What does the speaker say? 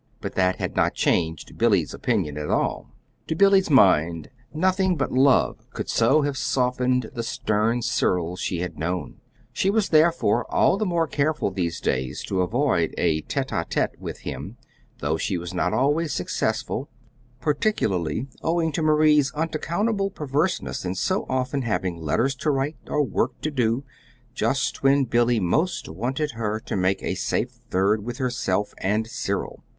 But that had not changed Billy's opinion at all. To Billy's mind, nothing but love could so have softened the stern Cyril she had known. She was, therefore, all the more careful these days to avoid a tete a tete with him, though she was not always successful, particularly owing to Marie's unaccountable perverseness in so often having letters to write or work to do, just when Billy most wanted her to make a safe third with herself and Cyril.